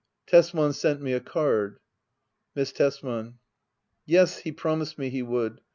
Tesman sent me a card. Miss Tesman. Yes, he promised me he would.